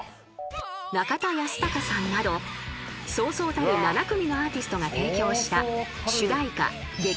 ［中田ヤスタカさんなどそうそうたる７組のアーティストが提供した主題歌劇